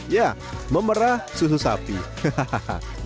ya memerah susu sapi hahaha